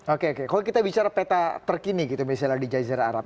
oke oke kalau kita bicara peta terkini misalnya di jaya zira arab